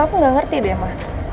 aku gak ngerti deh mah